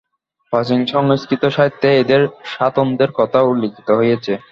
প্রাচীন সংস্কৃত সাহিত্যে এঁদের স্বাতন্ত্র্যের কথা উল্লিখিত হয়েছে।